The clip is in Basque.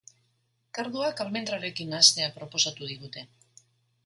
Karduak almendrarekin nahastea proposatu digute.